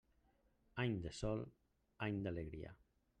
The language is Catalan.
Any de sol, any d'alegria.